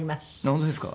本当ですか？